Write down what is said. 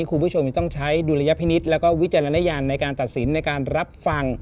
คุณผู้ชมยังต้องใช้ดุลยพินิษฐ์แล้วก็วิจารณญาณในการตัดสินในการรับฟัง